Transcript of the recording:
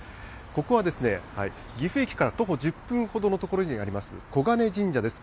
ここはですね、岐阜駅から徒歩１０分ほどの所にあります、金神社です。